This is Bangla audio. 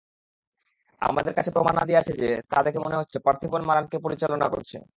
আমাদের কাছে যে প্রমাণাদি আছে, তা দেখে মনে হচ্ছে পার্থিপন মারানকে পরিচালনা করছে।